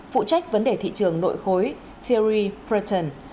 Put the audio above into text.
phụ trách vấn đề thị trường nội khối theory britain